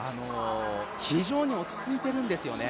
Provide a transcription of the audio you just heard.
非常に落ち着いているんですよね。